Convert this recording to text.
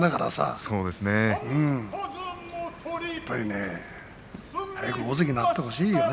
やはり早く大関になってほしいよね。